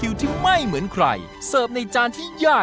วางเงิน๒๒๐๐บาท